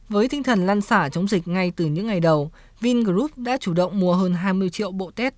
với tinh thần lan xả chống dịch ngay từ những ngày đầu vingroup đã chủ động mua hơn hai mươi triệu bộ test